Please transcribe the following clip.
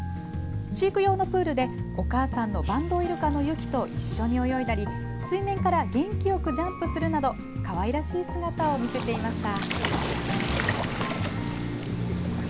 飼育用のプールでお母さんのバンドウイルカの雪と一緒に泳いだり水面から元気よくジャンプするなどかわいらしい姿を見せていました。